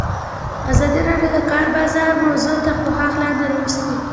ازادي راډیو د د کار بازار موضوع تر پوښښ لاندې راوستې.